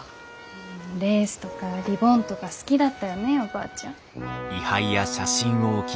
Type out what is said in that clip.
レースとかリボンとか好きだったよねおばあちゃん。